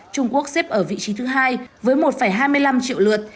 trung quốc xếp ở vị trí thứ hai với một hai mươi năm triệu lượt